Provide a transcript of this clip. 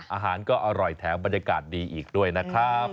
อาหารก็อร่อยแถมบรรยากาศดีอีกด้วยนะครับ